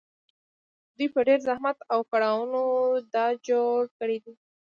دوی په ډېر زحمت او کړاوونو دا جوړ کړي دي